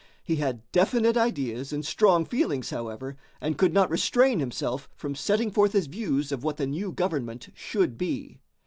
He had definite ideas and strong feelings, however, and could not restrain himself from setting forth his views of what the new government should be.